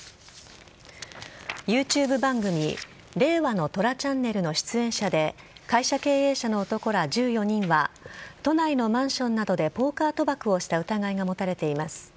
ＹｏｕＴｕｂｅ番組令和の虎ＣＨＡＮＮＥＬの出演者で会社経営者の男ら１４人は都内のマンションなどでポーカー賭博をした疑いが持たれています。